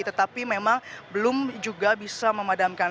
tetapi memang belum juga bisa memadamkan